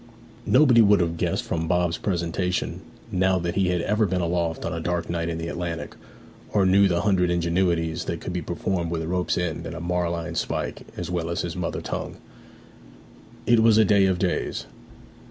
Nobody would have guessed from Bob's presentation now that he had ever been aloft on a dark night in the Atlantic, or knew the hundred ingenuities that could be performed with a rope's end and a marline spike as well as his mother tongue. It was a day of days.